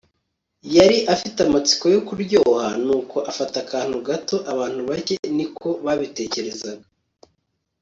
yari afite amatsiko yo kuryoha, nuko afata akantu gato. abantu bake ni ko babitekereza